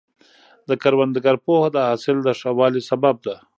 د کروندګر پوهه د حاصل د ښه والي سبب ده.